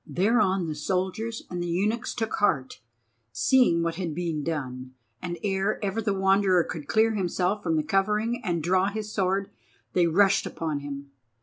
Thereon the soldiers and the eunuchs took heart, seeing what had been done, and ere ever the Wanderer could clear himself from the covering and draw his sword, they rushed upon him.